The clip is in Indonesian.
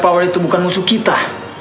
power itu bukan musuh kita